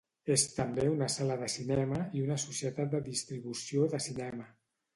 És també una sala de cinema i una societat de distribució de cinema.